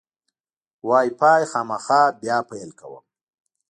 وای فای خامخا بیا پیل کوم.